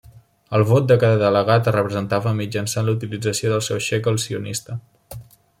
El vot de cada delegat es representava mitjançant la utilització del seu xéquel sionista.